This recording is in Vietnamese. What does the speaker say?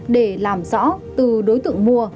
để làm rõ từ đối tượng mua